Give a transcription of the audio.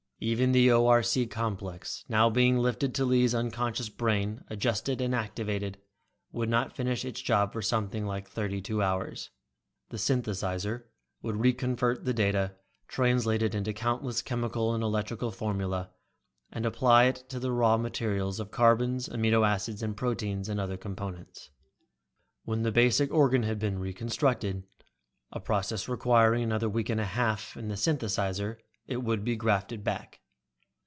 Even the ORC complex, now being fitted to Lee's unconscious brain, adjusted and activated, would not finish with its job for something like thirty two hours. The synthesizer would reconvert the data, translate it into countless chemical and electrical formulae, and apply it to the raw material of carbons, amino acids, proteins, and other components. When the basic organ had been reconstructed, a process requiring another week and a half in the synthesizer, it would be grafted back.